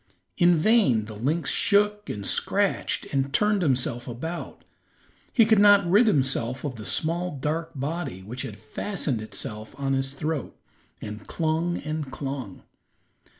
In vain the lynx shook and scratched and turned himself about. He could not rid himself of the small dark body which had fastened itself in his throat and clung and clung.